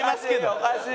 おかしい。